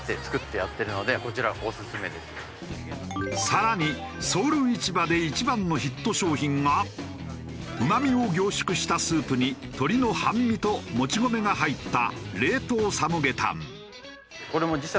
更にソウル市場で一番のヒット商品がうまみを凝縮したスープに鶏の半身ともち米が入った冷凍サムゲタン。